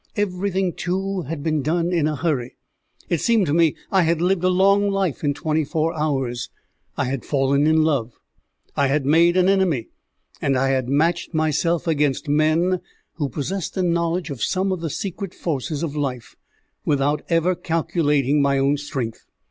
Everything, too, had been done in a hurry. It seemed to me I had lived a long life in twenty four hours. I had fallen in love, I had made an enemy, and I had matched myself against men who possessed a knowledge of some of the secret forces of life, without ever calculating my own strength.